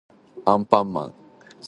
あんぱんまん